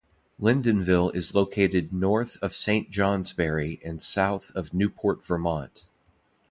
Lyndonville is located north of Saint Johnsbury and south of Newport, Vermont.